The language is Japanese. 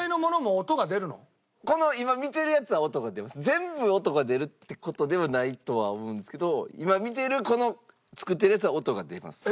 全部音が出るって事ではないとは思うんですけど今見てるこの作ってるやつは音が出ます。